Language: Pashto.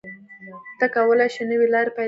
ته کولی شې نوې لارې پیدا کړې.